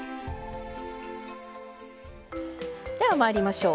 では、まいりましょう。